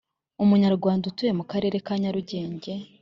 umunyarwanda utuye mu karere ka Nyarugenge